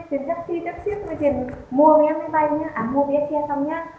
tiêu pha tiền taxi taxi tiền mua về máy bay nhé à mua về xe xong nhé